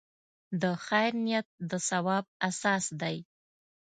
د خیر نیت د ثواب اساس دی.